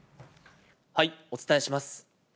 お伝えします。